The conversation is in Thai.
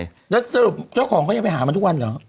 แล้วสรุปเจ้าของเขายังไปหามันทุกวันเหรอ